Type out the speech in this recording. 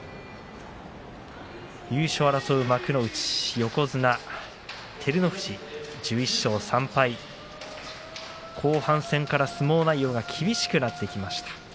優勝を争う幕内横綱照ノ富士、１１勝３敗後半戦から相撲内容が厳しくなってきました。